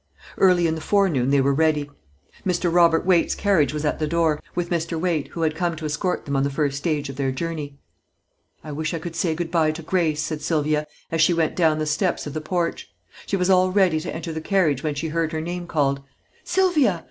Early in the fore noon they were ready. Mr. Robert Waite's carriage was at the door, with Mr. Waite, who had come to escort them on the first stage of their journey. "I wish I could say good bye to Grace," said Sylvia as she went down the steps of the porch. She was all ready to enter the carriage when she heard her name called: "Sylvia!